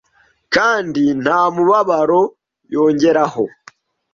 kandi nta mubabaro yongeraho